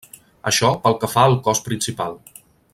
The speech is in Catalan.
Això pel que fa al cos principal.